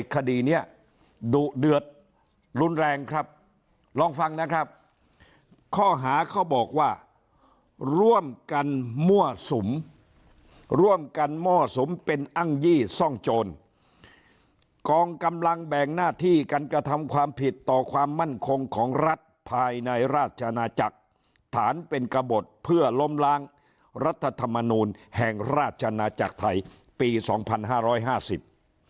การกระทำความผิดต่อความมั่นคงของรัฐภายในราชนาจักรฐานเป็นกระบวดเพื่อล้มล้างรัฐธรรมนูญแห่งราชนาจักรไทยปีสองพันห้าร้อยห้าสิบ